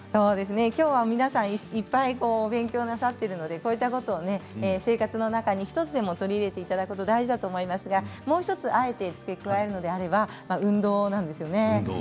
きょうは皆さんいっぱいお勉強なさっているので生活の中に１つでも取り入れることが大事だと思いますがもう１つあえて付け加えるとなると運動なんですよね。